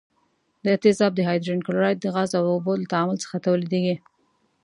دا تیزاب د هایدروجن کلوراید د غاز او اوبو له تعامل څخه تولیدیږي.